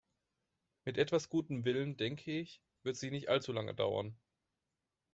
Mit etwas gutem Willen, denke ich, wird sie nicht allzu lange dauern.